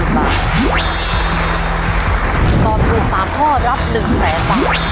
ถ้าตอบถูก๓ข้อรับ๑๐๐๐๐๐บาท